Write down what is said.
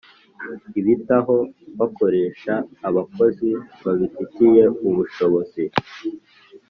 Ibitaho bakoresha abakozi babifitiye ubushobozi